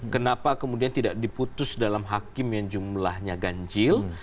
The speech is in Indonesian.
kenapa kemudian tidak diputus dalam hakim yang jumlahnya ganjil